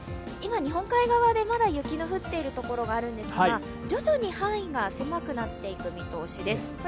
今、日本海側でまだ雪の降っている所があるんですが、徐々に範囲が狭くなっていく見通しです。